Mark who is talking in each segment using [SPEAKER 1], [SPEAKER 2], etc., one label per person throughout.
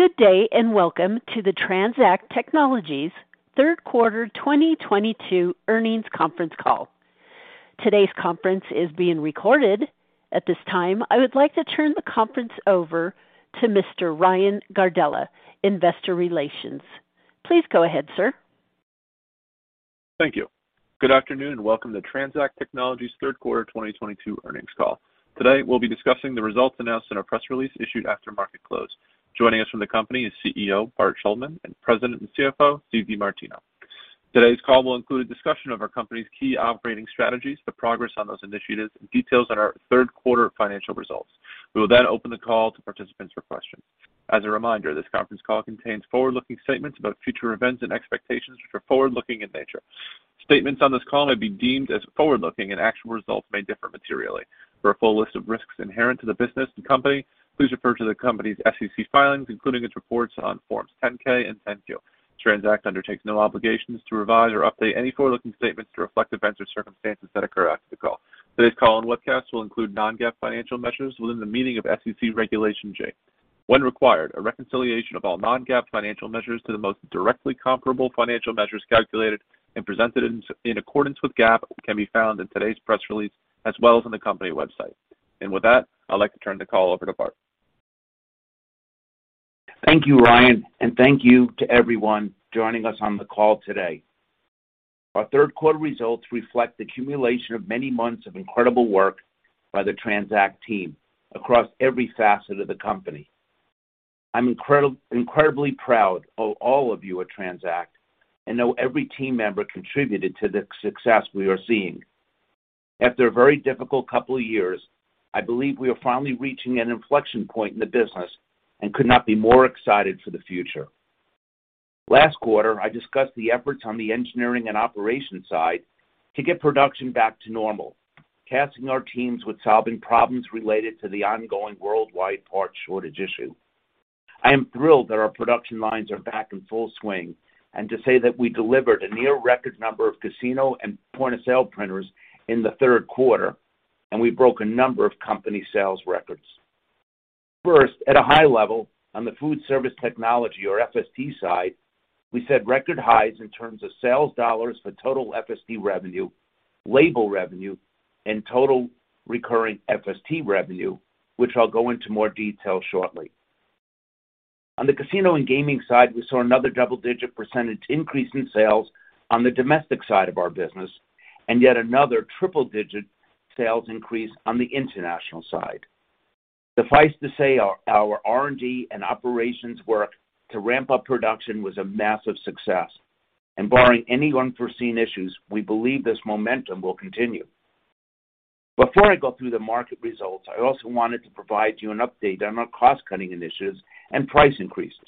[SPEAKER 1] Good day, and welcome to the TransAct Technologies Third Quarter 2022 Earnings Conference Call. Today's conference is being recorded. At this time, I would like to turn the conference over to Mr. Ryan Gardella, Investor Relations. Please go ahead, sir.
[SPEAKER 2] Thank you. Good afternoon, and welcome to TransAct Technologies third quarter 2022 earnings call. Today, we'll be discussing the results announced in our press release issued after market close. Joining us from the company is CEO Bart Shuldman and President and CFO Steve DeMartino. Today's call will include a discussion of our company's key operating strategies, the progress on those initiatives, and details on our third quarter financial results. We will then open the call to participants for questions. As a reminder, this conference call contains forward-looking statements about future events and expectations which are forward-looking in nature. Statements on this call may be deemed as forward-looking, and actual results may differ materially. For a full list of risks inherent to the business and company, please refer to the company's SEC filings, including its reports on Forms 10-K and 10-Q. TransAct undertakes no obligations to revise or update any forward-looking statements to reflect events or circumstances that occur after the call. Today's call and webcast will include non-GAAP financial measures within the meaning of SEC Regulation G. When required, a reconciliation of all non-GAAP financial measures to the most directly comparable financial measures calculated and presented in accordance with GAAP can be found in today's press release, as well as on the company website. With that, I'd like to turn the call over to Bart.
[SPEAKER 3] Thank you, Ryan, and thank you to everyone joining us on the call today. Our third quarter results reflect the accumulation of many months of incredible work by the TransAct team across every facet of the company. I'm incredibly proud of all of you at TransAct and know every team member contributed to the success we are seeing. After a very difficult couple of years, I believe we are finally reaching an inflection point in the business and could not be more excited for the future. Last quarter, I discussed the efforts on the engineering and operations side to get production back to normal, tasking our teams with solving problems related to the ongoing worldwide parts shortage issue. I am thrilled that our production lines are back in full swing and to say that we delivered a near record number of casino and point-of-sale printers in the third quarter, and we broke a number of company sales records. First, at a high level, on the food service technology or FST side, we set record highs in terms of sales dollars for total FST revenue, label revenue, and total recurring FST revenue, which I'll go into more detail shortly. On the casino and gaming side, we saw another double-digit percentage increase in sales on the domestic side of our business, and yet another triple-digit sales increase on the international side. Suffice to say, our R&D and operations work to ramp up production was a massive success. Barring any unforeseen issues, we believe this momentum will continue. Before I go through the market results, I also wanted to provide you an update on our cost-cutting initiatives and price increases,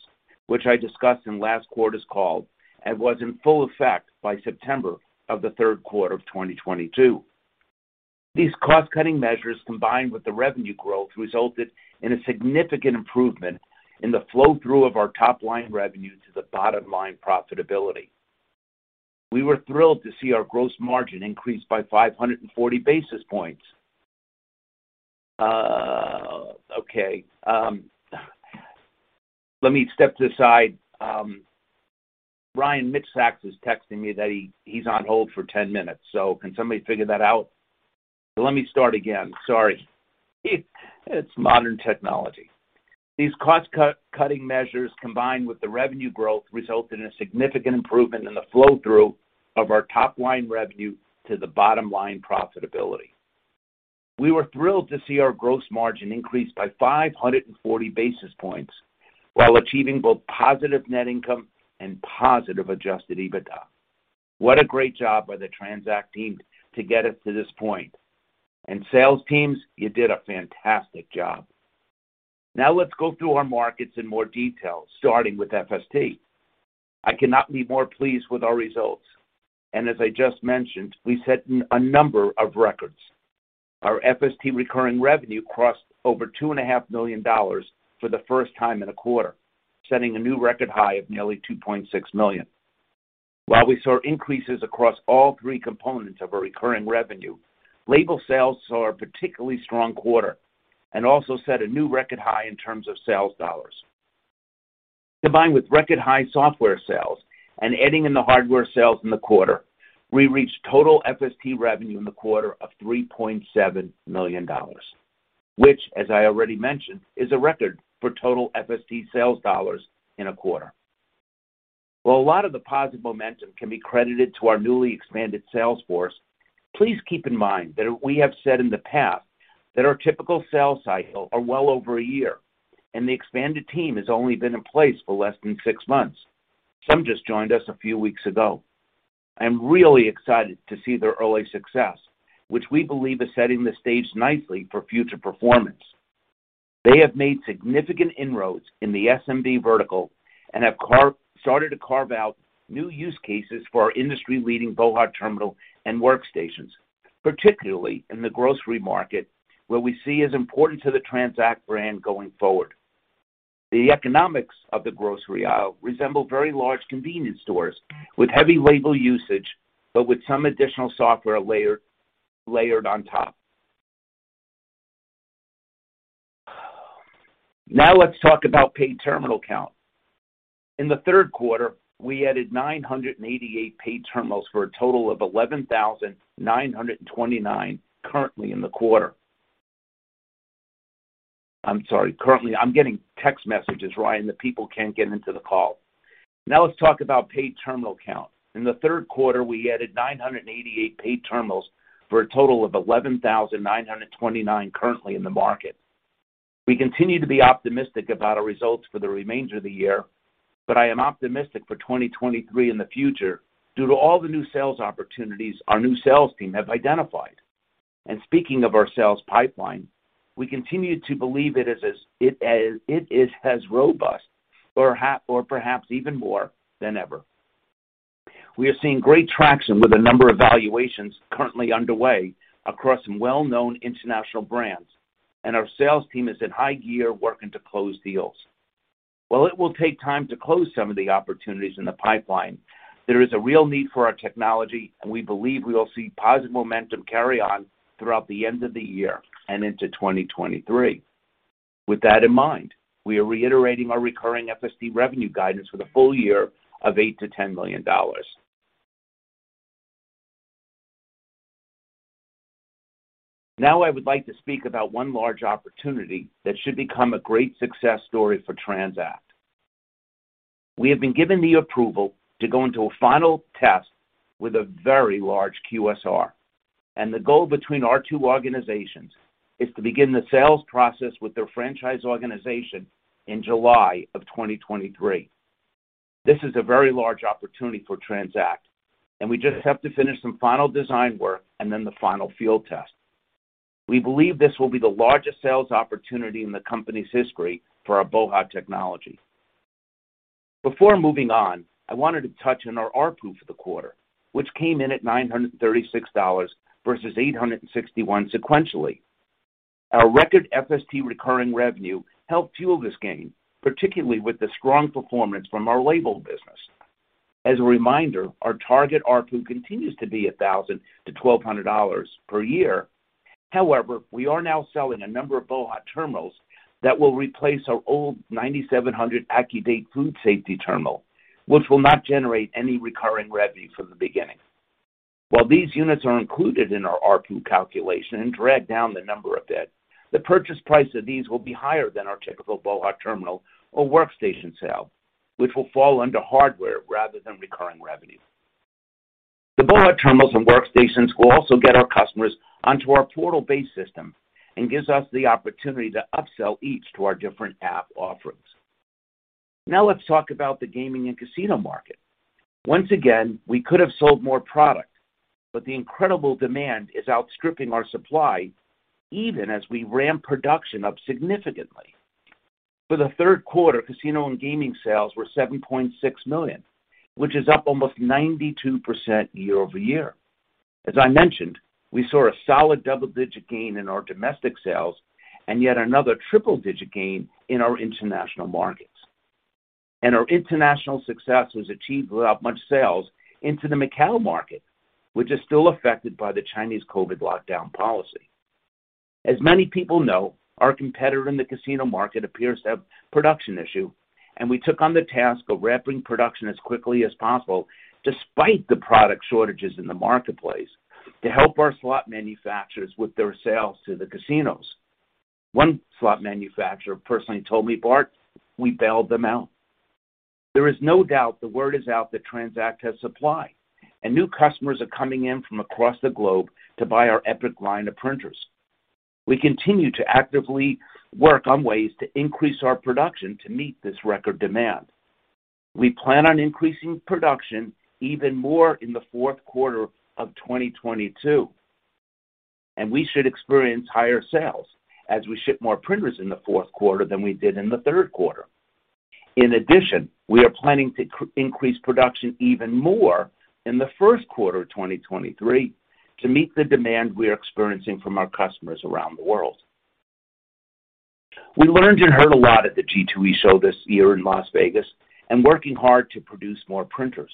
[SPEAKER 3] which I discussed in last quarter's call and was in full effect by September of the third quarter of 2022. These cost-cutting measures, combined with the revenue growth, resulted in a significant improvement in the flow-through of our top-line revenue to the bottom-line profitability. We were thrilled to see our gross margin increase by 540 basis points. Let me step to the side. Ryan, Mitch Sacks is texting me that he's on hold for 10 minutes, so can somebody figure that out. Let me start again. Sorry. It's modern technology. These cost-cutting measures, combined with the revenue growth, result in a significant improvement in the flow-through of our top-line revenue to the bottom-line profitability. We were thrilled to see our gross margin increase by 540 basis points while achieving both positive net income and positive Adjusted EBITDA. What a great job by the TransAct team to get us to this point. Sales teams, you did a fantastic job. Now let's go through our markets in more detail, starting with FST. I cannot be more pleased with our results, and as I just mentioned, we set a number of records. Our FST recurring revenue crossed over $2.5 million for the first time in a quarter, setting a new record high of nearly $2.6 million. While we saw increases across all three components of our recurring revenue, label sales saw a particularly strong quarter and also set a new record high in terms of sales dollars. Combined with record high software sales and adding in the hardware sales in the quarter, we reached total FST revenue in the quarter of $3.7 million, which, as I already mentioned, is a record for total FST sales dollars in a quarter. While a lot of the positive momentum can be credited to our newly expanded sales force, please keep in mind that we have said in the past that our typical sales cycle are well over a year, and the expanded team has only been in place for less than six months. Some just joined us a few weeks ago. I am really excited to see their early success, which we believe is setting the stage nicely for future performance. They have made significant inroads in the SMB vertical and have started to carve out new use cases for our industry-leading BOHA! Terminal and Workstations, particularly in the grocery market, where we see as important to the TransAct brand going forward. The economics of the grocery aisle resemble very large convenience stores with heavy label usage, but with some additional software layered on top. Now let's talk about paid terminal count. In the third quarter, we added 988 paid terminals for a total of 11,929 currently in the quarter. I'm sorry. Currently, I'm getting text messages, Ryan, that people can't get into the call. Now let's talk about paid terminal count. In the third quarter, we added 988 paid terminals for a total of 11,929 currently in the market. We continue to be optimistic about our results for the remainder of the year, but I am optimistic for 2023 and the future due to all the new sales opportunities our new sales team have identified. Speaking of our sales pipeline, we continue to believe it is as robust or perhaps even more than ever. We are seeing great traction with a number of valuations currently underway across some well-known international brands, and our sales team is in high gear working to close deals. While it will take time to close some of the opportunities in the pipeline, there is a real need for our technology, and we believe we will see positive momentum carry on throughout the end of the year and into 2023. With that in mind, we are reiterating our recurring FST revenue guidance for the full year of $8 million-$10 million. Now I would like to speak about one large opportunity that should become a great success story for TransAct. We have been given the approval to go into a final test with a very large QSR, and the goal between our two organizations is to begin the sales process with their franchise organization in July 2023. This is a very large opportunity for TransAct, and we just have to finish some final design work and then the final field test. We believe this will be the largest sales opportunity in the company's history for our BOHA! Technology. Before moving on, I wanted to touch on our ARPU for the quarter, which came in at $936 versus $861 sequentially. Our record FST recurring revenue helped fuel this gain, particularly with the strong performance from our label business. As a reminder, our target ARPU continues to be $1,000-$1,200 per year. However, we are now selling a number of BOHA! terminals that will replace our old 9700 AccuDate Food Safety Terminal, which will not generate any recurring revenue from the beginning. While these units are included in our ARPU calculation and drag down the number a bit, the purchase price of these will be higher than our typical BOHA! Terminal or Workstation sale, which will fall under hardware rather than recurring revenue. The BOHA! Terminals and Workstations will also get our customers onto our portal-based system and gives us the opportunity to upsell each to our different app offerings. Now let's talk about the gaming and casino market. Once again, we could have sold more product, but the incredible demand is outstripping our supply even as we ramp production up significantly. For the third quarter, casino and gaming sales were $7.6 million, which is up almost 92% year-over-year. As I mentioned, we saw a solid double-digit gain in our domestic sales and yet another triple-digit gain in our international markets. Our international success was achieved without much sales into the Macau market, which is still affected by the Chinese COVID lockdown policy. As many people know, our competitor in the casino market appears to have production issue, and we took on the task of ramping production as quickly as possible despite the product shortages in the marketplace to help our slot manufacturers with their sales to the casinos. One slot manufacturer personally told me, "Bart, we bailed them out." There is no doubt the word is out that TransAct has supply, and new customers are coming in from across the globe to buy our Epic line of printers. We continue to actively work on ways to increase our production to meet this record demand. We plan on increasing production even more in the fourth quarter of 2022, and we should experience higher sales as we ship more printers in the fourth quarter than we did in the third quarter. In addition, we are planning to increase production even more in the first quarter of 2023 to meet the demand we are experiencing from our customers around the world. We learned and heard a lot at the G2E show this year in Las Vegas and working hard to produce more printers.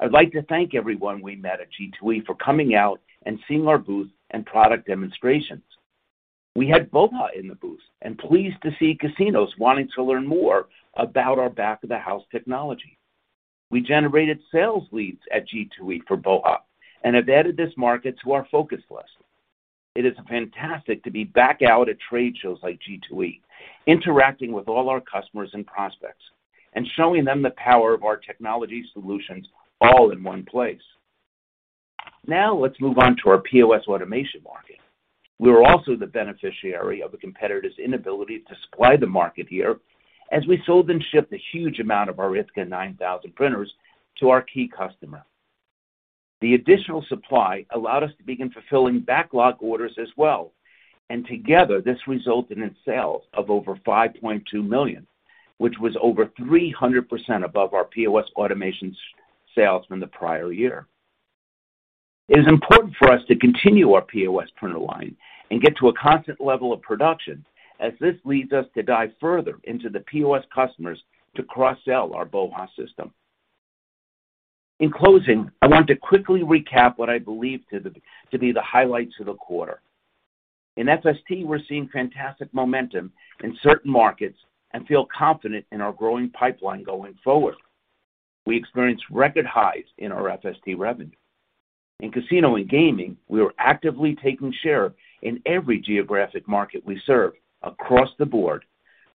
[SPEAKER 3] I'd like to thank everyone we met at G2E for coming out and seeing our booth and product demonstrations. We had BOHA! in the booth and pleased to see casinos wanting to learn more about our back-of-the-house technology. We generated sales leads at G2E for BOHA! and have added this market to our focus list. It is fantastic to be back out at trade shows like G2E, interacting with all our customers and prospects, and showing them the power of our technology solutions all in one place. Now let's move on to our POS automation market. We were also the beneficiary of a competitor's inability to supply the market here as we sold and shipped a huge amount of our Ithaca 9000 printers to our key customer. The additional supply allowed us to begin fulfilling backlog orders as well, and together, this resulted in sales of over $5.2 million, which was over 300% above our POS automation sales from the prior year. It is important for us to continue our POS printer line and get to a constant level of production as this leads us to dive further into the POS customers to cross-sell our BOHA! system. In closing, I want to quickly recap what I believe to be the highlights of the quarter. In FST, we're seeing fantastic momentum in certain markets and feel confident in our growing pipeline going forward. We experienced record highs in our FST revenue. In casino and gaming, we are actively taking share in every geographic market we serve across the board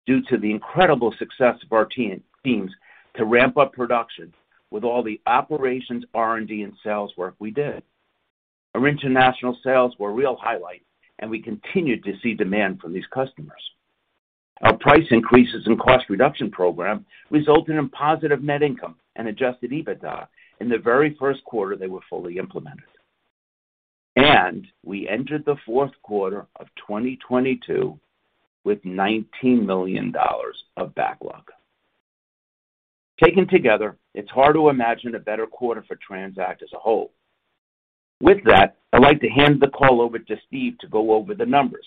[SPEAKER 3] due to the incredible success of our team, teams to ramp up production with all the operations, R&D, and sales work we did. Our international sales were a real highlight, and we continued to see demand from these customers. Our price increases and cost reduction program resulted in positive net income and Adjusted EBITDA in the very first quarter they were fully implemented. We entered the fourth quarter of 2022 with $19 million of backlog. Taken together, it's hard to imagine a better quarter for TransAct as a whole. With that, I'd like to hand the call over to Steve to go over the numbers.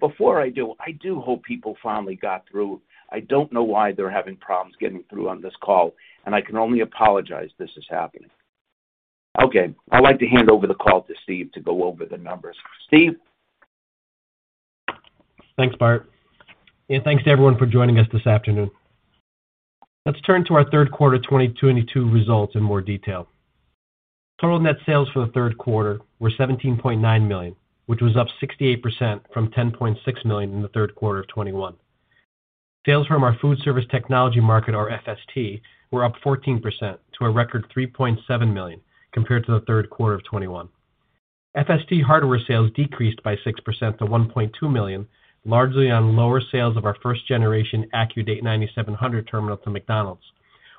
[SPEAKER 3] Before I do, I do hope people finally got through. I don't know why they're having problems getting through on this call, and I can only apologize this is happening. Okay, I'd like to hand over the call to Steve to go over the numbers. Steve?
[SPEAKER 4] Thanks, Bart. Thanks to everyone for joining us this afternoon. Let's turn to our third quarter 2022 results in more detail. Total net sales for the third quarter were $17.9 million, which was up 68% from $10.6 million in the third quarter of 2021. Sales from our food service technology market, or FST, were up 14% to a record $3.7 million compared to the third quarter of 2021. FST hardware sales decreased by 6% to $1.2 million, largely on lower sales of our first generation AccuDate 9700 Terminal to McDonald's.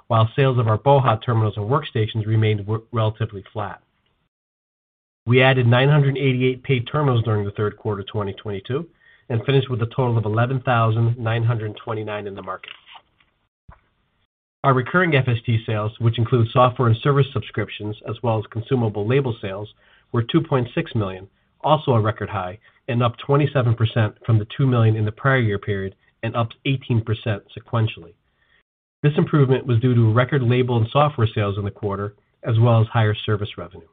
[SPEAKER 4] While sales of our BOHA! Terminals and Workstations remained relatively flat. We added 988 paid terminals during the third quarter 2022 and finished with a total of 11,929 in the market. Our recurring FST sales, which include software and service subscriptions as well as consumable label sales, were $2.6 million, also a record high and up 27% from the $2 million in the prior year period and up 18% sequentially. This improvement was due to record label and software sales in the quarter, as well as higher service revenue.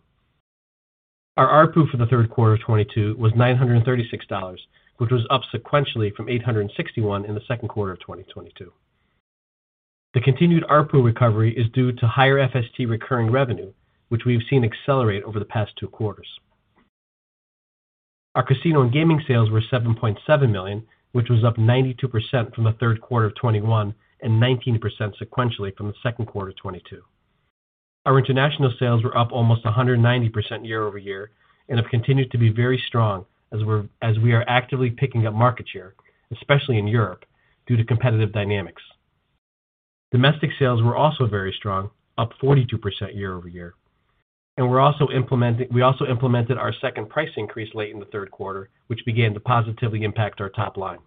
[SPEAKER 4] Our ARPU for the third quarter of 2022 was $936, which was up sequentially from $861 in the second quarter of 2022. The continued ARPU recovery is due to higher FST recurring revenue, which we have seen accelerate over the past two quarters. Our casino and gaming sales were $7.7 million, which was up 92% from the third quarter of 2021 and 19% sequentially from the second quarter of 2022. Our international sales were up almost 190% year-over-year and have continued to be very strong as we are actively picking up market share, especially in Europe, due to competitive dynamics. Domestic sales were also very strong, up 42% year-over-year. We also implemented our second price increase late in the third quarter, which began to positively impact our top line.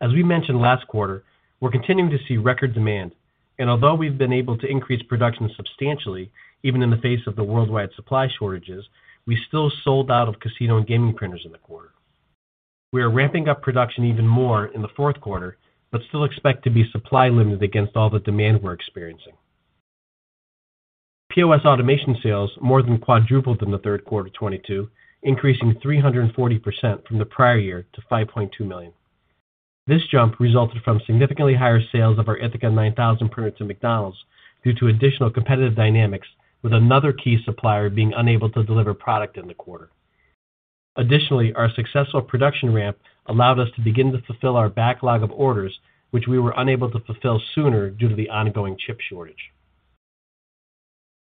[SPEAKER 4] As we mentioned last quarter, we're continuing to see record demand, and although we've been able to increase production substantially, even in the face of the worldwide supply shortages, we still sold out of casino and gaming printers in the quarter. We are ramping up production even more in the fourth quarter, but still expect to be supply limited against all the demand we're experiencing. POS automation sales more than quadrupled in the third quarter of 2022, increasing 340% from the prior year to $5.2 million. This jump resulted from significantly higher sales of our Ithaca 9000 printer to McDonald's due to additional competitive dynamics with another key supplier being unable to deliver product in the quarter. Additionally, our successful production ramp allowed us to begin to fulfill our backlog of orders, which we were unable to fulfill sooner due to the ongoing chip shortage.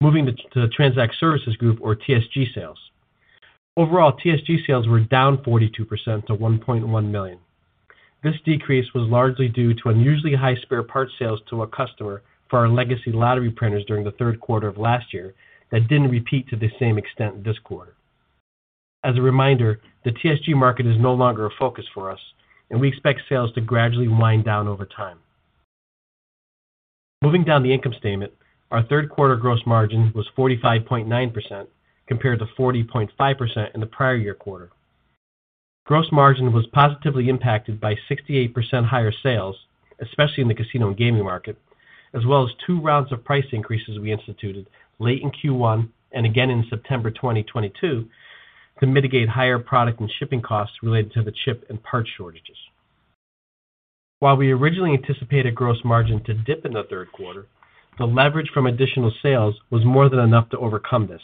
[SPEAKER 4] Moving to the TransAct Services Group or TSG sales. Overall, TSG sales were down 42% to $1.1 million. This decrease was largely due to unusually high spare parts sales to a customer for our legacy lottery printers during the third quarter of last year that didn't repeat to the same extent this quarter. As a reminder, the TSG market is no longer a focus for us, and we expect sales to gradually wind down over time. Moving down the income statement, our third quarter gross margin was 45.9% compared to 40.5% in the prior year quarter. Gross margin was positively impacted by 68% higher sales, especially in the casino and gaming market, as well as two rounds of price increases we instituted late in Q1 and again in September 2022 to mitigate higher product and shipping costs related to the chip and parts shortages. While we originally anticipated gross margin to dip in the third quarter, the leverage from additional sales was more than enough to overcome this.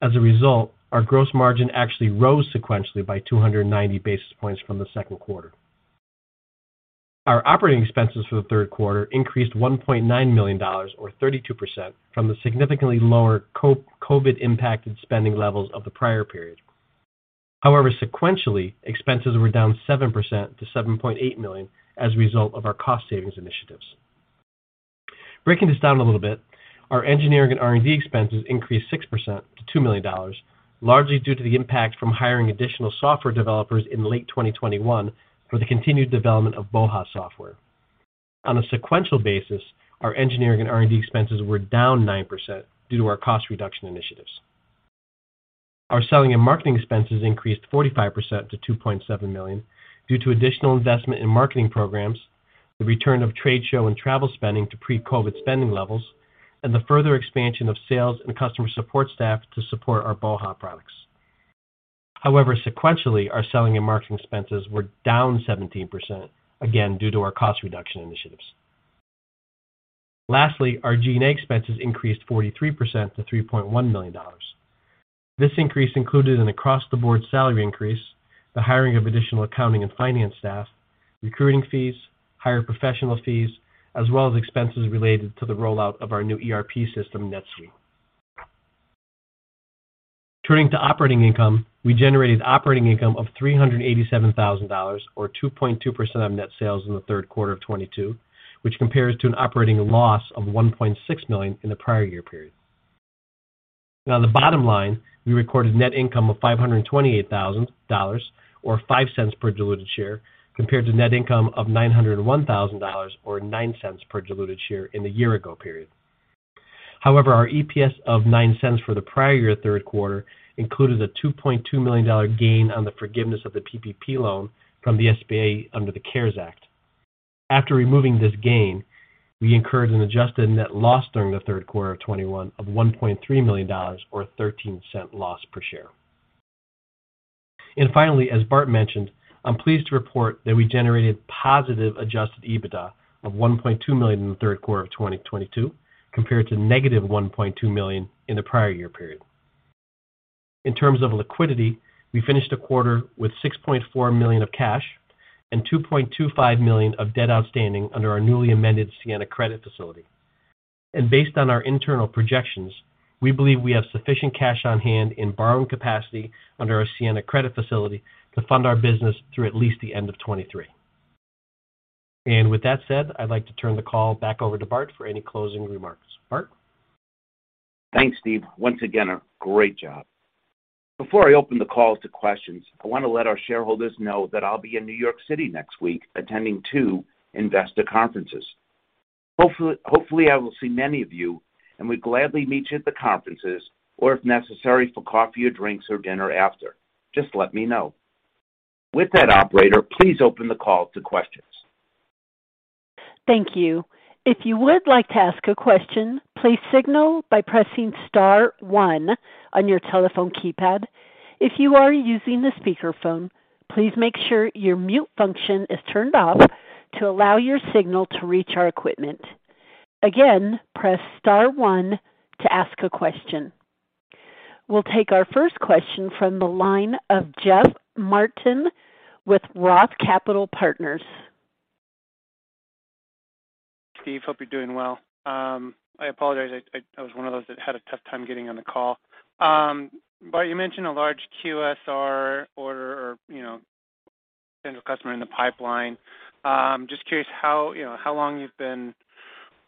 [SPEAKER 4] As a result, our gross margin actually rose sequentially by 290 basis points from the second quarter. Our operating expenses for the third quarter increased $1.9 million or 32% from the significantly lower COVID impacted spending levels of the prior period. However, sequentially, expenses were down 7% to $7.8 million as a result of our cost savings initiatives. Breaking this down a little bit, our engineering and R&D expenses increased 6% to $2 million, largely due to the impact from hiring additional software developers in late 2021 for the continued development of BOHA! software. On a sequential basis, our engineering and R&D expenses were down 9% due to our cost reduction initiatives. Our selling and marketing expenses increased 45% to $2.7 million due to additional investment in marketing programs, the return of trade show and travel spending to pre-COVID spending levels, and the further expansion of sales and customer support staff to support our BOHA! products. However, sequentially, our selling and marketing expenses were down 17%, again, due to our cost reduction initiatives. Lastly, our G&A expenses increased 43% to $3.1 million. This increase included an across-the-board salary increase, the hiring of additional accounting and finance staff, recruiting fees, higher professional fees, as well as expenses related to the rollout of our new ERP system, NetSuite. Turning to operating income, we generated operating income of $387,000, or 2.2% of net sales in the third quarter of 2022, which compares to an operating loss of $1.6 million in the prior year period. Now, the bottom line, we recorded net income of $528,000, or $0.05 per diluted share, compared to net income of $901,000, or $0.09 per diluted share in the year-ago period. However, our EPS of $0.09 for the prior year third quarter included a $2.2 million gain on the forgiveness of the PPP loan from the SBA under the CARES Act. After removing this gain, we incurred an adjusted net loss during the third quarter of 2021 of $1.3 million or $0.13 loss per share. Finally, as Bart mentioned, I'm pleased to report that we generated positive Adjusted EBITDA of $1.2 million in the third quarter of 2022 compared to negative $1.2 million in the prior year period. In terms of liquidity, we finished the quarter with $6.4 million of cash and $2.25 million of debt outstanding under our newly amended Siena credit facility. Based on our internal projections, we believe we have sufficient cash on hand and borrowing capacity under our Siena credit facility to fund our business through at least the end of 2023. With that said, I'd like to turn the call back over to Bart for any closing remarks. Bart?
[SPEAKER 3] Thanks, Steve. Once again, a great job. Before I open the call to questions, I want to let our shareholders know that I'll be in New York City next week attending two investor conferences. Hopefully I will see many of you, and we gladly meet you at the conferences or if necessary, for coffee or drinks or dinner after. Just let me know. With that, operator, please open the call to questions.
[SPEAKER 1] Thank you. If you would like to ask a question, please signal by pressing star one on your telephone keypad. If you are using the speakerphone, please make sure your mute function is turned off to allow your signal to reach our equipment. Again, press star one to ask a question. We'll take our first question from the line of Jeff Martin with Roth Capital Partners.
[SPEAKER 5] Steve, hope you're doing well. I apologize. I was one of those that had a tough time getting on the call. Bart, you mentioned a large QSR order or, you know, potential customer in the pipeline. Just curious how, you know, how long you've been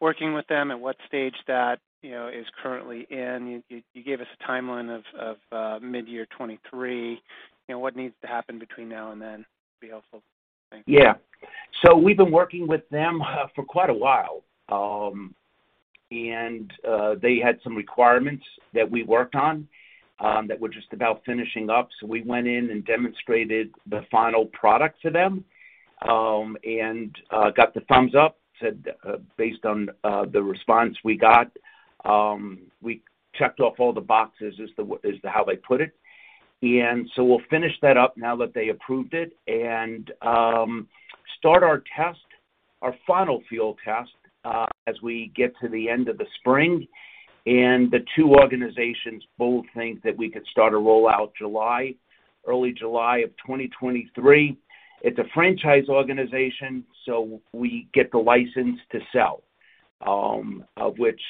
[SPEAKER 5] working with them and what stage that, you know, is currently in. You gave us a timeline of mid-year 2023. You know, what needs to happen between now and then? It'd be helpful. Thanks.
[SPEAKER 3] Yeah. We've been working with them for quite a while. They had some requirements that we worked on that we're just about finishing up. We went in and demonstrated the final product to them and got the thumbs up. Said based on the response we got, we checked off all the boxes, is how they put it. We'll finish that up now that they approved it and start our test, our final field test, as we get to the end of the spring. The two organizations both think that we could start a rollout July, early July of 2023. It's a franchise organization, so we get the license to sell, which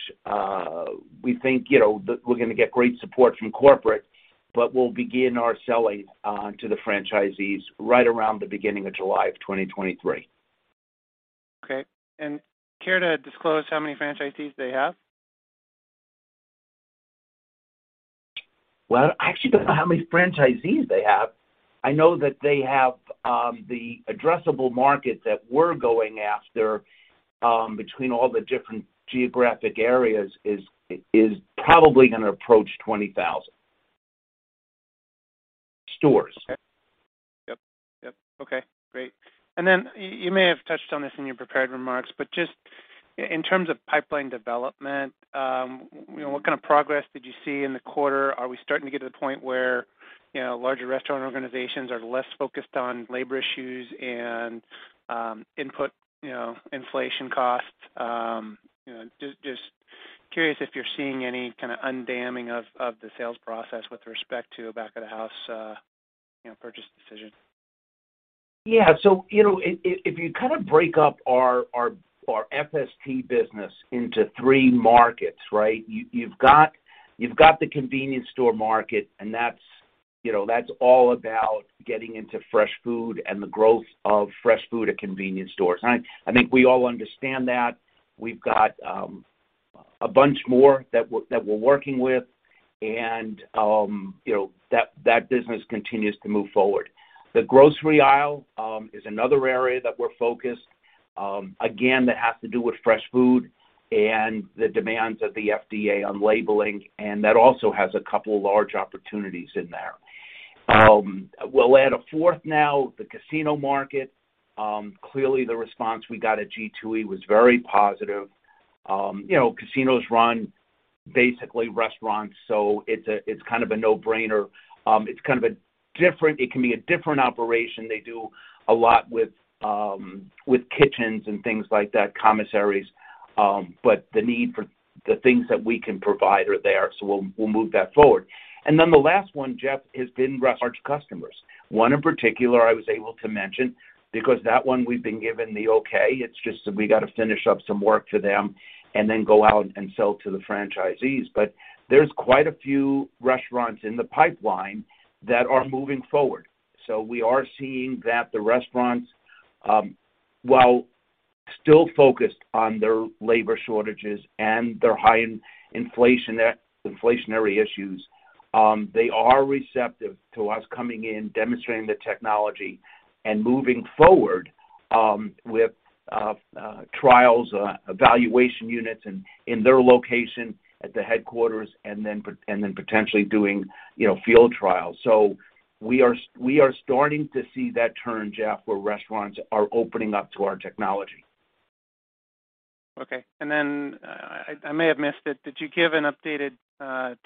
[SPEAKER 3] we think, you know, that we're gonna get great support from corporate, but we'll begin our selling to the franchisees right around the beginning of July of 2023.
[SPEAKER 5] Okay. Care to disclose how many franchisees they have?
[SPEAKER 3] Well, I actually don't know how many franchisees they have. I know that they have the addressable market that we're going after between all the different geographic areas is probably gonna approach 20,000 stores.
[SPEAKER 5] You may have touched on this in your prepared remarks, but just in terms of pipeline development, you know, what kind of progress did you see in the quarter? Are we starting to get to the point where, you know, larger restaurant organizations are less focused on labor issues and, input, you know, inflation costs? You know, just curious if you're seeing any kinda undamming of the sales process with respect to a back-of-the-house, you know, purchase decision.
[SPEAKER 3] Yeah. You know, if you kinda break up our FST business into three markets, right? You've got the convenience store market, and that's, you know, all about getting into fresh food and the growth of fresh food at convenience stores. I think we all understand that. We've got a bunch more that we're working with. You know, that business continues to move forward. The grocery aisle is another area that we're focused on, again, that has to do with fresh food and the demands of the FDA on labeling, and that also has a couple of large opportunities in there. We'll add a fourth now, the casino market. Clearly the response we got at G2E was very positive. You know, casinos run basically restaurants, so it's kind of a no-brainer. It's kind of a different operation. They do a lot with kitchens and things like that, commissaries, but the need for the things that we can provide are there, so we'll move that forward. Then the last one, Jeff, has been restaurant customers. One in particular I was able to mention because that one we've been given the okay. It's just that we got to finish up some work for them and then go out and sell to the franchisees. There's quite a few restaurants in the pipeline that are moving forward. We are seeing that the restaurants, while still focused on their labor shortages and their high inflationary issues, they are receptive to us coming in, demonstrating the technology, and moving forward with trials, evaluation units in their location at the headquarters, and then potentially doing, you know, field trials. We are starting to see that turn, Jeff, where restaurants are opening up to our technology.
[SPEAKER 5] Okay. Then I may have missed it. Did you give an updated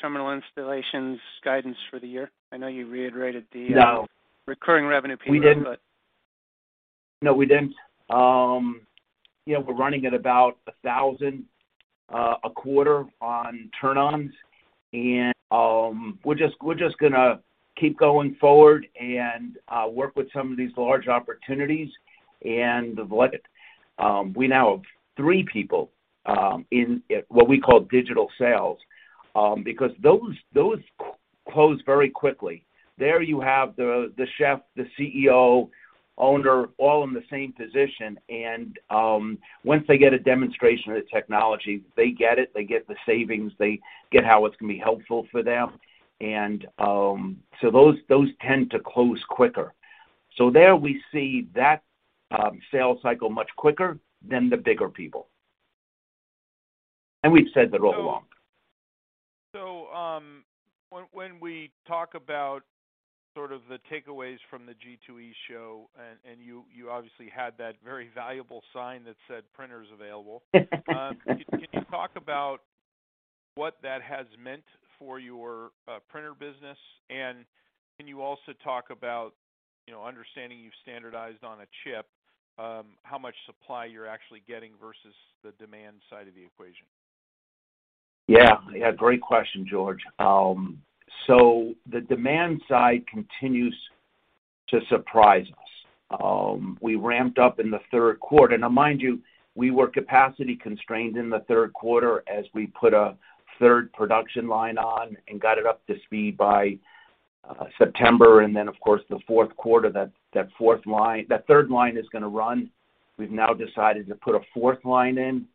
[SPEAKER 5] terminal installations guidance for the year? I know you reiterated the-
[SPEAKER 3] No.
[SPEAKER 5] recurring revenue piece, but
[SPEAKER 3] We didn't. No, we didn't. You know, we're running at about 1,000 a quarter on turn-ons. We're just gonna keep going forward and work with some of these large opportunities. We now have three people in what we call digital sales, because those close very quickly. There you have the chef, the CEO, owner, all in the same position. Once they get a demonstration of the technology, they get it, they get the savings, they get how it's going to be helpful for them. Those tend to close quicker. There we see the sales cycle much quicker than the bigger people. We've said that all along.
[SPEAKER 6] When we talk about sort of the takeaways from the G2E show, and you obviously had that very valuable sign that said, "Printers available." Can you talk about what that has meant for your printer business? Can you also talk about, you know, understanding you've standardized on a chip, how much supply you're actually getting versus the demand side of the equation?
[SPEAKER 3] Yeah. Yeah, great question, George. The demand side continues to surprise us. We ramped up in the third quarter. Now mind you, we were capacity constrained in the third quarter as we put a third production line on and got it up to speed by September. Then, of course, the fourth quarter, that third line is going to run. We've now decided to put a fourth line in.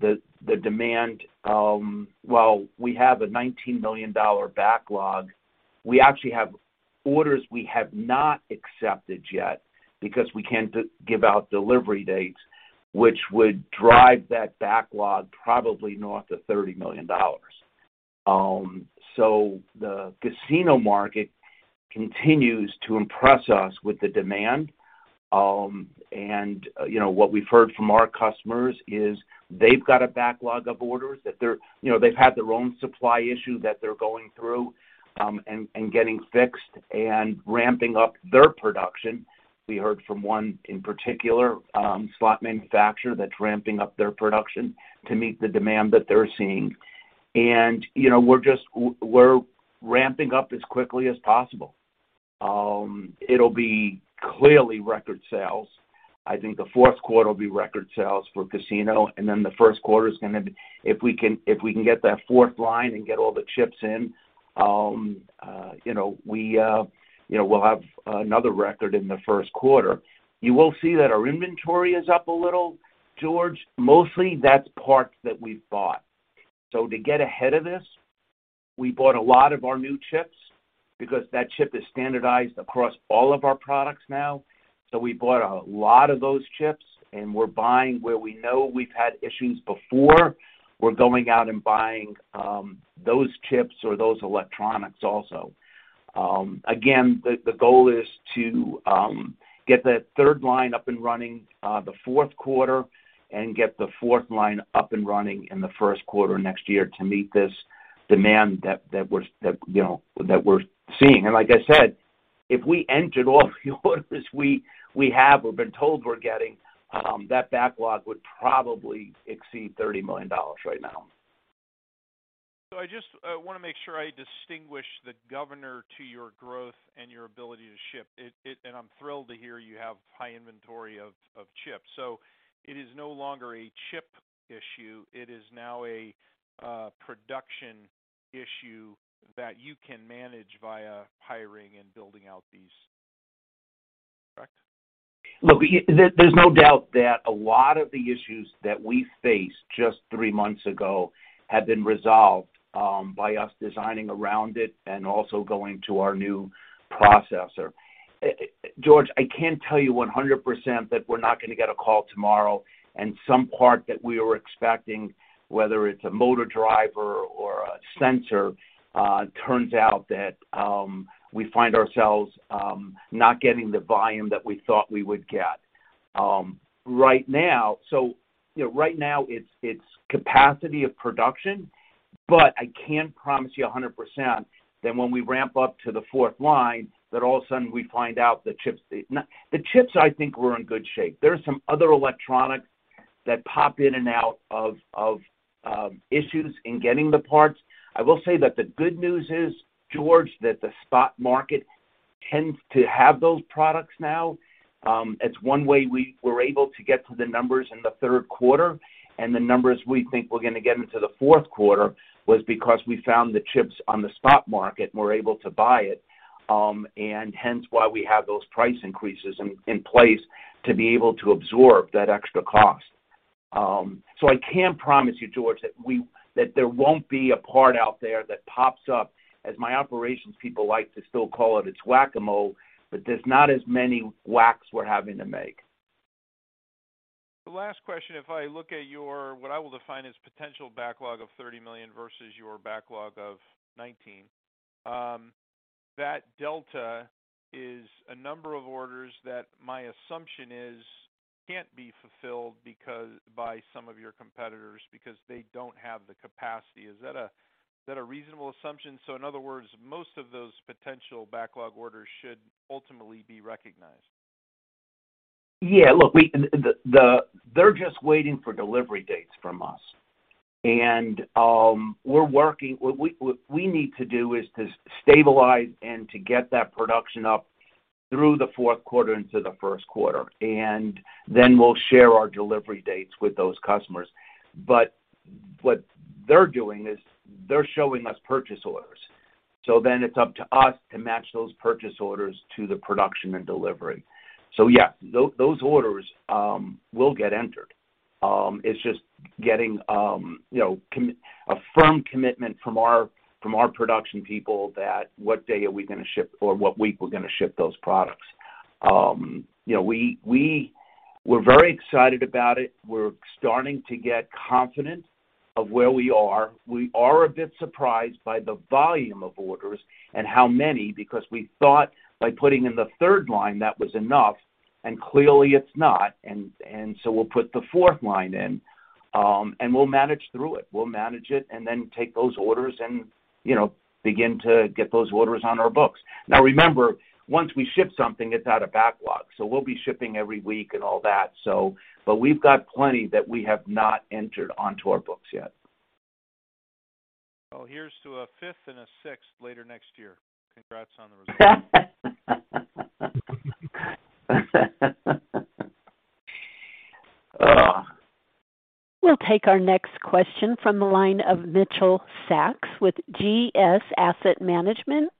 [SPEAKER 3] The demand, while we have a $19 million backlog, we actually have orders we have not accepted yet because we can't give out delivery dates, which would drive that backlog probably north of $30 million. The casino market continues to impress us with the demand. You know, what we've heard from our customers is they've got a backlog of orders that they're You know, they've had their own supply issue that they're going through, and getting fixed and ramping up their production. We heard from one in particular, slot manufacturer that's ramping up their production to meet the demand that they're seeing. You know, we're just ramping up as quickly as possible. It'll be clearly record sales. I think the fourth quarter will be record sales for casino, and then the first quarter is gonna be, if we can get that fourth line and get all the chips in, you know, we'll have another record in the first quarter. You will see that our inventory is up a little, George. Mostly that's parts that we've bought. To get ahead of this, we bought a lot of our new chips because that chip is standardized across all of our products now. We bought a lot of those chips, and we're buying where we know we've had issues before. We're going out and buying those chips or those electronics also. Again, the goal is to get that third line up and running the fourth quarter and get the fourth line up and running in the first quarter next year to meet this demand that, you know, we're seeing. Like I said, if we entered all the orders we have or been told we're getting, that backlog would probably exceed $30 million right now.
[SPEAKER 6] I just want to make sure I distinguish the governor to your growth and your ability to ship. I'm thrilled to hear you have high inventory of chips. It is no longer a chip issue, it is now a production issue that you can manage via hiring and building out these-
[SPEAKER 3] Look, there's no doubt that a lot of the issues that we faced just three months ago have been resolved by us designing around it and also going to our new processor. George, I can't tell you 100% that we're not going to get a call tomorrow and some part that we were expecting, whether it's a motor driver or a sensor, turns out that we find ourselves not getting the volume that we thought we would get. Right now, you know, right now it's capacity of production, but I can't promise you 100% that when we ramp up to the fourth line, that all of a sudden we find out the chips. The chips, I think we're in good shape. There are some other electronics that pop in and out of issues in getting the parts. I will say that the good news is, George, that the spot market tends to have those products now. It's one way we were able to get to the numbers in the third quarter and the numbers we think we're going to get into the fourth quarter was because we found the chips on the spot market and we're able to buy it, and hence why we have those price increases in place to be able to absorb that extra cost. So I can't promise you, George, that there won't be a part out there that pops up. As my operations people like to still call it's Whac-A-Mole, but there's not as many whacks we're having to make.
[SPEAKER 6] The last question, if I look at your, what I will define as potential backlog of $30 million versus your backlog of $19 million, that delta is a number of orders that my assumption is can't be fulfilled by some of your competitors because they don't have the capacity. Is that a reasonable assumption? In other words, most of those potential backlog orders should ultimately be recognized.
[SPEAKER 3] Yeah. Look, they're just waiting for delivery dates from us. What we need to do is to stabilize and to get that production up through the fourth quarter into the first quarter, and then we'll share our delivery dates with those customers. What they're doing is they're showing us purchase orders. It's up to us to match those purchase orders to the production and delivery. Yeah, those orders will get entered. It's just getting, you know, a firm commitment from our production people that what day are we gonna ship or what week we're gonna ship those products. You know, we're very excited about it. We're starting to get confident of where we are. We are a bit surprised by the volume of orders and how many, because we thought by putting in the third line, that was enough, and clearly it's not. We'll put the fourth line in, and we'll manage through it. We'll manage it and then take those orders and, you know, begin to get those orders on our books. Now, remember, once we ship something, it's out of backlog. We'll be shipping every week and all that. We've got plenty that we have not entered onto our books yet.
[SPEAKER 6] Well, here's to a fifth and a sixth later next year. Congrats on the results.
[SPEAKER 1] We'll take our next question from the line of Mitchell Sacks with GS Asset Management.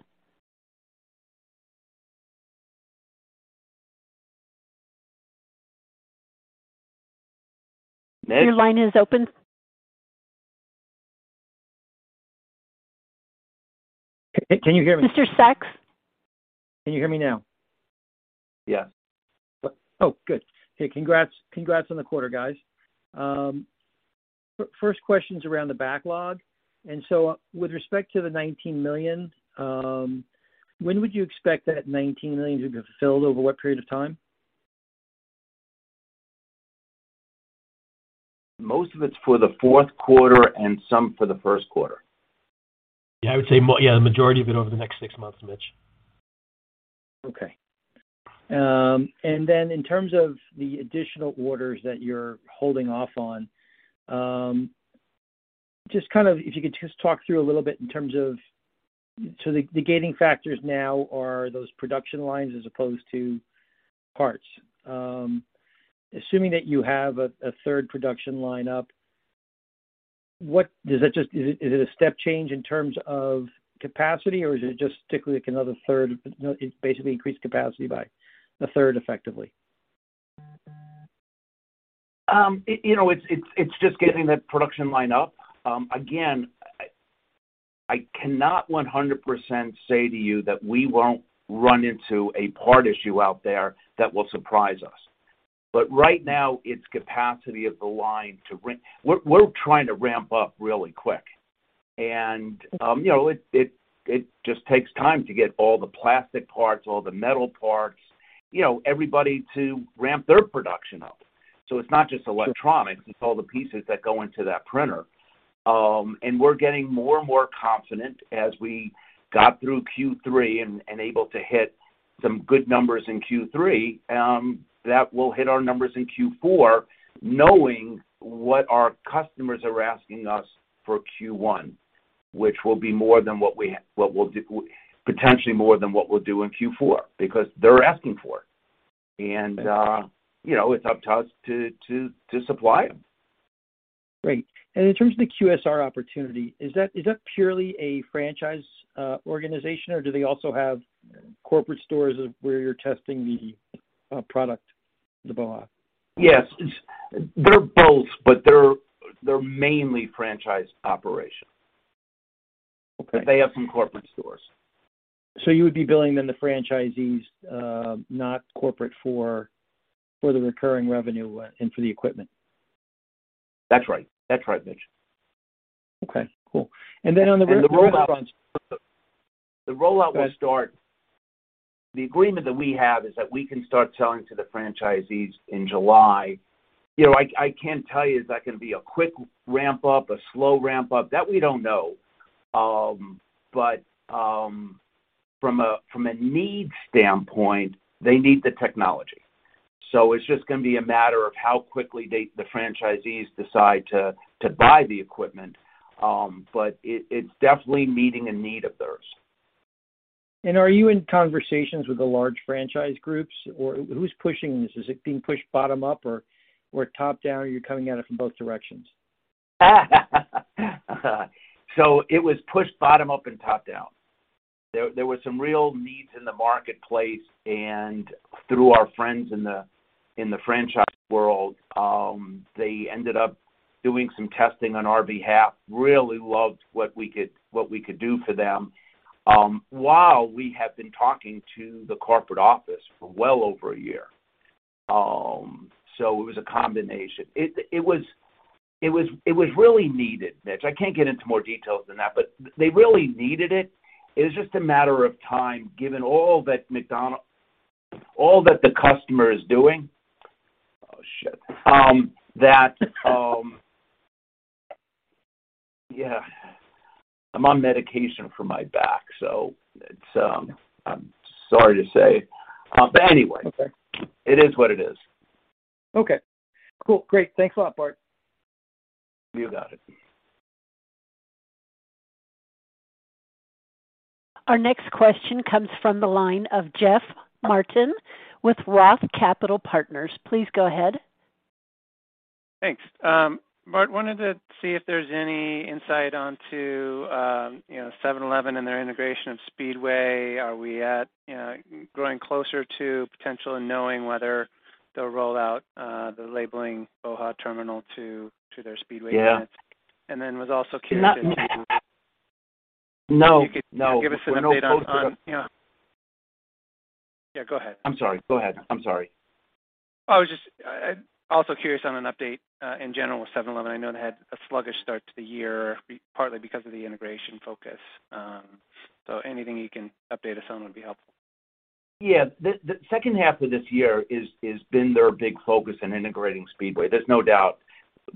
[SPEAKER 1] Your line is open.
[SPEAKER 7] Can you hear me?
[SPEAKER 1] Mr. Sacks?
[SPEAKER 7] Can you hear me now?
[SPEAKER 3] Yes.
[SPEAKER 7] Oh, good. Hey, congrats on the quarter, guys. First question's around the backlog. With respect to the $19 million, when would you expect that $19 million to be fulfilled over what period of time?
[SPEAKER 3] Most of it's for the fourth quarter and some for the first quarter.
[SPEAKER 4] Yeah, the majority of it over the next six months, Mitch.
[SPEAKER 7] Okay. In terms of the additional orders that you're holding off on, just kind of if you could just talk through a little bit in terms of the gating factors now are those production lines as opposed to parts. Assuming that you have a third production line up, what is it a step change in terms of capacity, or is it just particularly like another third, you know, it basically increased capacity by a third effectively?
[SPEAKER 3] You know, it's just getting the production line up. Again, I cannot 100% say to you that we won't run into a part issue out there that will surprise us. Right now, it's capacity of the line. We're trying to ramp up really quick. You know, it just takes time to get all the plastic parts, all the metal parts, you know, everybody to ramp their production up. It's not just electronics, it's all the pieces that go into that printer. We're getting more and more confident as we got through Q3 and able to hit some good numbers in Q3, that we'll hit our numbers in Q4, knowing what our customers are asking us for Q1, which will be more than what we'll do in Q4, potentially more than what we'll do in Q4 because they're asking for it. You know, it's up to us to supply them.
[SPEAKER 7] Great. In terms of the QSR opportunity, is that purely a franchise organization, or do they also have corporate stores or where you're testing the product, the BOHA!?
[SPEAKER 3] Yes. They're both, but they're mainly franchised operations.
[SPEAKER 7] Okay.
[SPEAKER 3] They have some corporate stores.
[SPEAKER 7] You would be billing then the franchisees, not corporate for the recurring revenue and for the equipment?
[SPEAKER 3] That's right, Mitch.
[SPEAKER 7] Okay, cool. On the rollout front-
[SPEAKER 3] The rollout will start. The agreement that we have is that we can start selling to the franchisees in July. You know, I can't tell you is that gonna be a quick ramp up, a slow ramp up. That we don't know. But from a need standpoint, they need the technology. So it's just gonna be a matter of how quickly they, the franchisees decide to buy the equipment. But it's definitely meeting a need of theirs.
[SPEAKER 7] Are you in conversations with the large franchise groups, or who's pushing this? Is it being pushed bottom up or top down, or you're coming at it from both directions?
[SPEAKER 3] It was pushed bottom up and top down. There were some real needs in the marketplace, and through our friends in the franchise world, they ended up doing some testing on our behalf. They really loved what we could do for them, while we have been talking to the corporate office for well over a year. It was a combination. It was really needed, Mitch. I can't get into more details than that, but they really needed it. It's just a matter of time, given all that McDonald's, all that the customer is doing. Yeah. I'm on medication for my back, so it's... I'm sorry to say. Anyway.
[SPEAKER 7] It's okay.
[SPEAKER 3] It is what it is.
[SPEAKER 7] Okay. Cool. Great. Thanks a lot, Bart.
[SPEAKER 3] You got it.
[SPEAKER 1] Our next question comes from the line of Jeff Martin with Roth Capital Partners. Please go ahead.
[SPEAKER 5] Thanks. Bart, wanted to see if there's any insight into 7-Eleven and their integration of Speedway. Are we growing closer to potential in knowing whether they'll roll out the labeling BOHA! Terminal to their Speedway units?
[SPEAKER 3] Yeah.
[SPEAKER 5] Was also curious if.
[SPEAKER 1] Not-
[SPEAKER 3] No. No.
[SPEAKER 5] If you could give us an update on.
[SPEAKER 3] We're no closer to-
[SPEAKER 5] Yeah. Yeah, go ahead.
[SPEAKER 3] I'm sorry. Go ahead. I'm sorry.
[SPEAKER 5] I was just also curious on an update in general with 7-Eleven. I know it had a sluggish start to the year, partly because of the integration focus. Anything you can update us on would be helpful.
[SPEAKER 3] Yeah. The second half of this year has been their big focus in integrating Speedway. There's no doubt,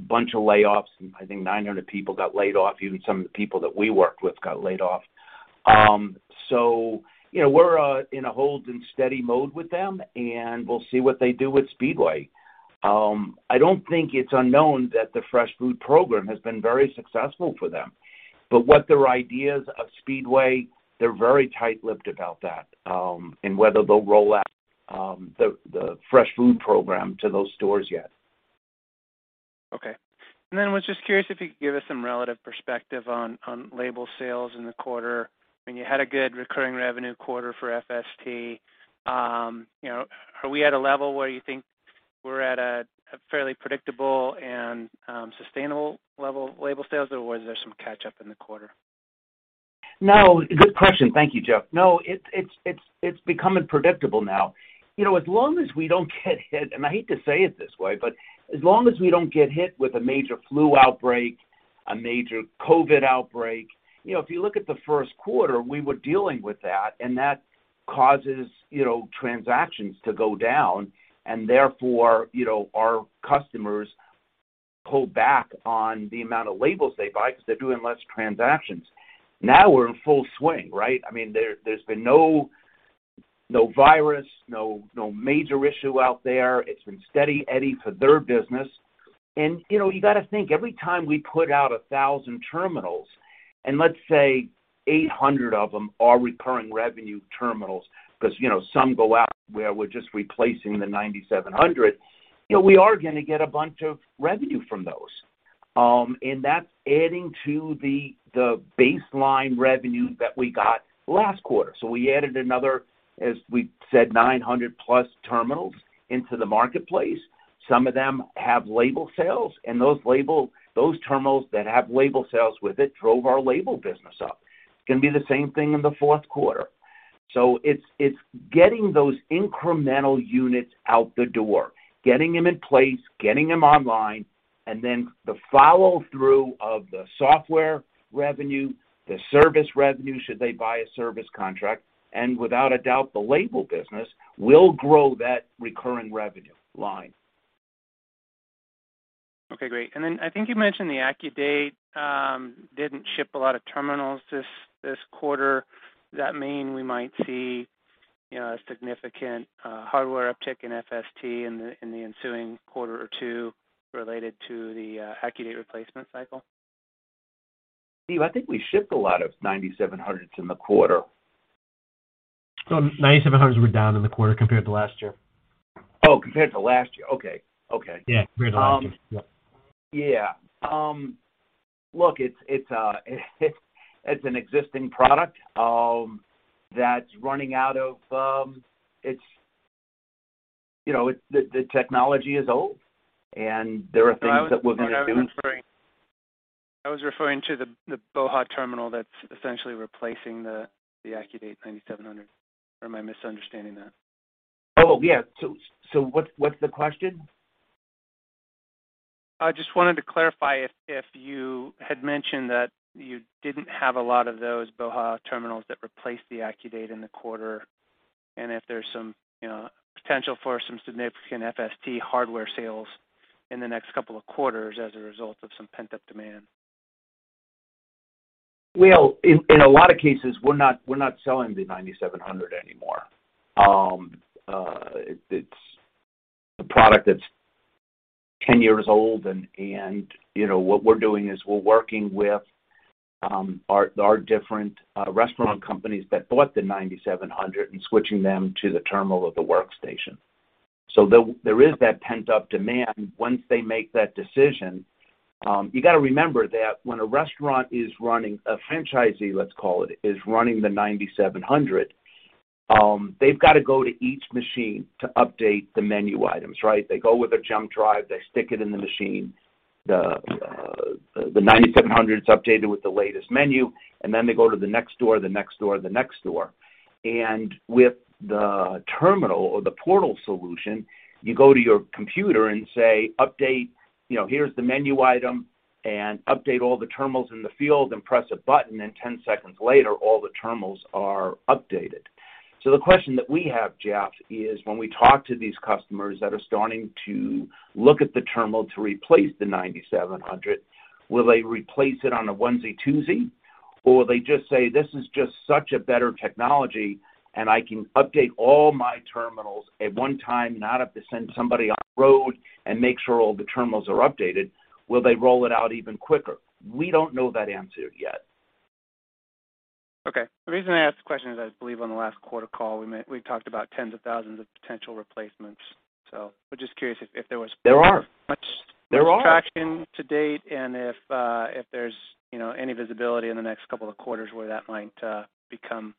[SPEAKER 3] bunch of layoffs. I think 900 people got laid off. Even some of the people that we worked with got laid off. So, you know, we're in a hold and steady mode with them, and we'll see what they do with Speedway. I don't think it's unknown that the fresh food program has been very successful for them. What their ideas of Speedway, they're very tight-lipped about that, and whether they'll roll out the fresh food program to those stores yet.
[SPEAKER 5] Okay. I was just curious if you could give us some relative perspective on label sales in the quarter. I mean, you had a good recurring revenue quarter for FST. You know, are we at a level where you think we're at a fairly predictable and sustainable level, label sales or was there some catch-up in the quarter?
[SPEAKER 3] No. Good question. Thank you, Jeff. No, it's becoming predictable now. You know, as long as we don't get hit, and I hate to say it this way, but as long as we don't get hit with a major flu outbreak, a major COVID outbreak. You know, if you look at the first quarter, we were dealing with that, and that causes, you know, transactions to go down, and therefore, you know, our customers pull back on the amount of labels they buy because they're doing less transactions. Now we're in full swing, right? I mean, there's been no virus, no major issue out there. It's been steady Eddie for their business. You know, you gotta think every time we put out 1,000 terminals, and let's say 800 of them are recurring revenue terminals, because, you know, some go out where we're just replacing the 9,700, you know, we are gonna get a bunch of revenue from those. That's adding to the baseline revenue that we got last quarter. We added another, as we said, 900+ terminals into the marketplace. Some of them have label sales, and those terminals that have label sales with it drove our label business up. It's gonna be the same thing in the fourth quarter. It's getting those incremental units out the door, getting them in place, getting them online, and then the follow-through of the software revenue, the service revenue, should they buy a service contract, and without a doubt, the label business will grow that recurring revenue line.
[SPEAKER 5] Okay, great. I think you mentioned the AccuDate didn't ship a lot of terminals this quarter. Does that mean we might see, you know, a significant hardware uptick in FST in the ensuing quarter or two related to the AccuDate replacement cycle?
[SPEAKER 3] Steve, I think we shipped a lot of 9700s in the quarter.
[SPEAKER 4] 9700s were down in the quarter compared to last year.
[SPEAKER 3] Oh, compared to last year. Okay. Okay.
[SPEAKER 4] Yeah, compared to last year. Yep.
[SPEAKER 3] Yeah. Look, it's an existing product that's running out of. You know, the technology is old, and there are things that we're gonna do.
[SPEAKER 5] I was referring to the BOHA! Terminal that's essentially replacing the AccuDate 9700. Or am I misunderstanding that?
[SPEAKER 3] Oh, yeah. What's the question?
[SPEAKER 5] I just wanted to clarify if you had mentioned that you didn't have a lot of those BOHA! Terminals that replaced the AccuDate in the quarter, and if there's some, you know, potential for some significant FST hardware sales in the next couple of quarters as a result of some pent-up demand.
[SPEAKER 3] Well, in a lot of cases, we're not selling the 9700 anymore. It's a product that's 10 years old and, you know, what we're doing is we're working with our different restaurant companies that bought the ninety-seven hundred and switching them to the terminal or the workstation. There is that pent-up demand once they make that decision. You gotta remember that when a restaurant run by a franchisee, let's call it, is running the 9700, they've got to go to each machine to update the menu items, right? They go with their jump drive, they stick it in the machine. The 9700 is updated with the latest menu, and then they go to the next store. With the terminal or the portal solution, you go to your computer and say, "Update," you know, "Here's the menu item, and update all the terminals in the field," and press a button, and 10 seconds later, all the terminals are updated. The question that we have, Jeff, is when we talk to these customers that are starting to look at the terminal to replace the 9700, will they replace it on a onesie-twosie, or will they just say, "This is just such a better technology, and I can update all my terminals at one time, not have to send somebody on the road and make sure all the terminals are updated." Will they roll it out even quicker? We don't know that answer yet.
[SPEAKER 5] Okay. The reason I asked the question is I believe on the last quarter call, we talked about tens of thousands of potential replacements. I'm just curious if there was.
[SPEAKER 3] There are.
[SPEAKER 5] Much traction to date and if there's, you know, any visibility in the next couple of quarters where that might become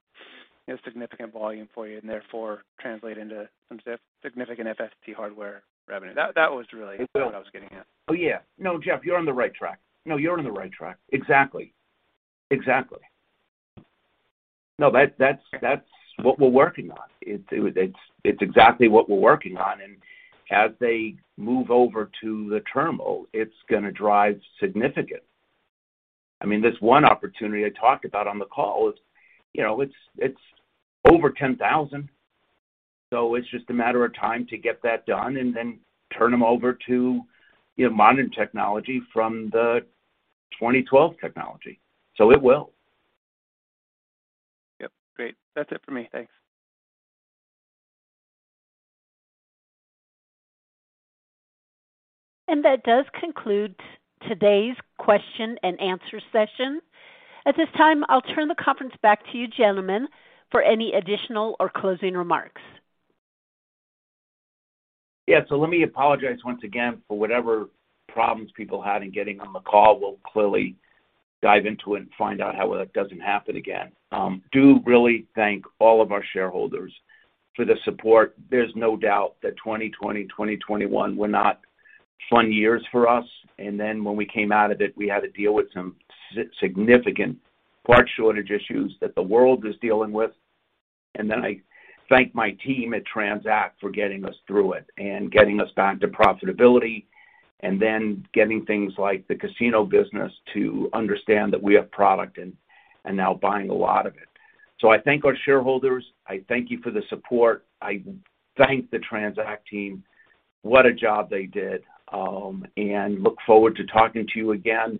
[SPEAKER 5] a significant volume for you and therefore translate into some significant FST hardware revenue. That was really what I was getting at.
[SPEAKER 3] Oh, yeah. No, Jeff, you're on the right track. Exactly. No, that's what we're working on. It's exactly what we're working on. As they move over to the terminal, it's gonna drive significant. I mean, this one opportunity I talked about on the call, you know, it's over 10,000. So it's just a matter of time to get that done and then turn them over to, you know, modern technology from the 2012 technology. So it will.
[SPEAKER 5] Yep. Great. That's it for me. Thanks.
[SPEAKER 1] That does conclude today's question and answer session. At this time, I'll turn the conference back to you gentlemen for any additional or closing remarks.
[SPEAKER 3] Yeah. Let me apologize once again for whatever problems people had in getting on the call. We'll clearly dive into it and find out how that doesn't happen again. I do really thank all of our shareholders for the support. There's no doubt that 2020, 2021 were not fun years for us, and then when we came out of it, we had to deal with some significant part shortage issues that the world is dealing with. I thank my team at TransAct for getting us through it and getting us back to profitability, and then getting things like the casino business to understand that we have product and now buying a lot of it. I thank our shareholders. I thank you for the support. I thank the TransAct team. What a job they did. Look forward to talking to you again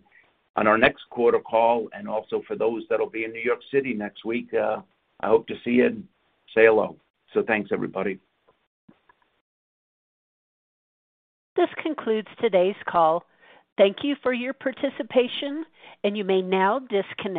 [SPEAKER 3] on our next quarter call and also for those that will be in New York City next week, I hope to see you and say hello. Thanks, everybody.
[SPEAKER 1] This concludes today's call. Thank you for your participation, and you may now disconnect.